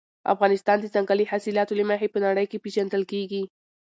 افغانستان د ځنګلي حاصلاتو له مخې په نړۍ کې پېژندل کېږي.